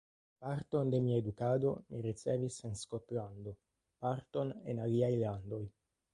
Parton de mia edukado mi ricevis en Skotlando, parton en aliaj landoj.